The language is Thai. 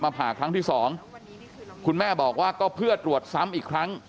ผ่าครั้งที่สองคุณแม่บอกว่าก็เพื่อตรวจซ้ำอีกครั้ง